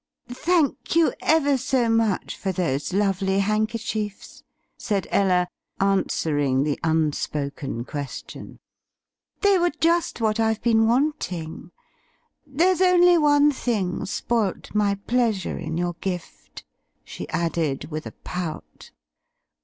"Thank you ever so much for those lovely handkerchiefs," said Ella, answering the unspoken question; "they were just what I've been wanting. There's only one thing spoilt my pleasure in your gift," she added, with a pout.